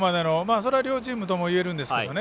それは両チームともいえるんですけどね。